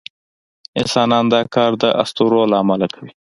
انسانان دا کار د اسطورو له امله کوي.